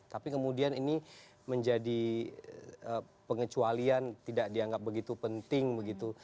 tapi kemudian ini menjadi pengecualian tidak dianggap begitu penting begitu